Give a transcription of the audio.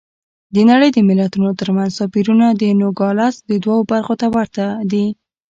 د نړۍ د ملتونو ترمنځ توپیرونه د نوګالس دوو برخو ته ورته دي.